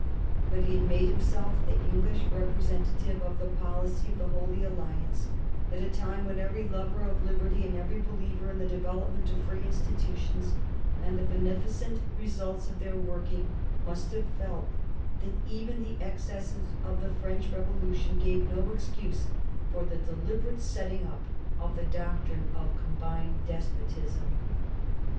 But he had made himself the English representative of the policy of the Holy Alliance at a time when every lover of liberty, and every believer in the development of free institutions and the beneficent results of their working, must have felt that even the excesses of the French Revolution gave no excuse for the deliberate setting up of the doctrine of combined despotism.